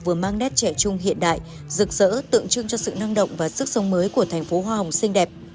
vừa mang nét trẻ trung hiện đại rực rỡ tượng trưng cho sự năng động và sức sống mới của thành phố hoa hồng xinh đẹp